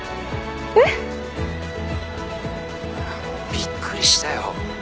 びっくりしたよ。